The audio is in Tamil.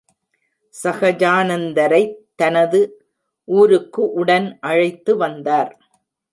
சகஜானந்தரைத் தனது ஊருக்கு உடன் அழைத்து வந்தார்.